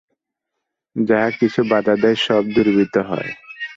যাহা কিছু বাধা দেয়, সব দূরীভূত হয়।